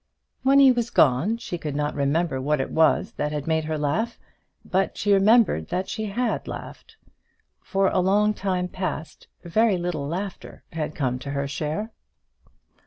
When he was gone she could not remember what it was that had made her laugh, but she remembered that she had laughed. For a long time past very little laughter had come to her share.